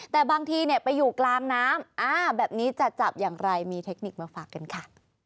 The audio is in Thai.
แต่บางทีไปอยู่กลางน้ำแบบนี้จะจับอย่างไรมีเทคนิคมาฝากกันค่ะ